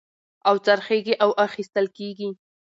او خرڅېږي او اخيستل کېږي.